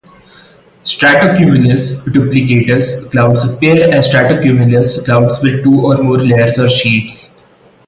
Stratocumulus Duplicatus clouds appear as stratocumulus clouds with two or more layers or sheets.